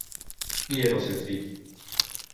Qui era el seu fill?